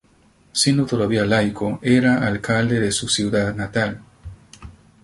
Siendo todavía laico, era alcalde de su ciudad natal.